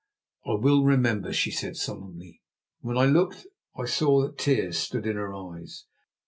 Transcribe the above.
"I will remember," she said solemnly, and when I looked I saw that tears stood in her eyes.